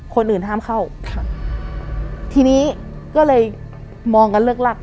คนอื่นห้ามเข้าค่ะทีนี้ก็เลยมองกันเลิกลัก